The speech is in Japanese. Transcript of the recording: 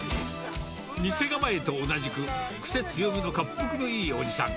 店構えと同じく、くせ強めの恰幅のいいおじさん。